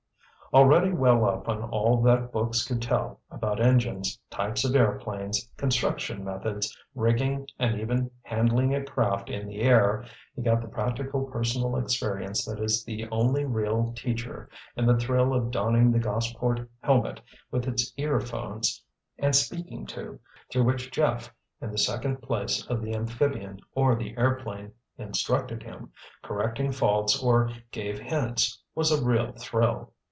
Already "well up" on all that books could tell about engines, types of airplanes, construction methods, rigging and even handling a craft in the air, he got the practical personal experience that is the only real teacher, and the thrill of donning the Gossport helmet, with its ear 'phones and speaking tube through which Jeff, in the second place of the amphibian or the airplane, instructed him, correcting faults or gave hints, was a real thrill.